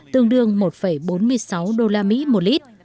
tương đương một bốn mươi sáu usd một lít